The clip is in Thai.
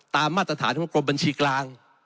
มาตรฐานของกรมบัญชีกลาง